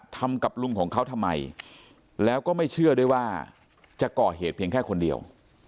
ทำกับลุงของเขาทำไมแล้วก็ไม่เชื่อด้วยว่าจะก่อเหตุเพียงแค่คนเดียว